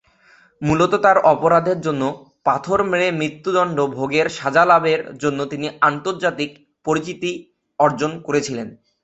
মূলত তার অপরাধের জন্য পাথর মেরে মৃত্যুদণ্ড ভোগের সাজা লাভের জন্য তিনি আন্তর্জাতিক পরিচিতি অর্জন করেছিলেন।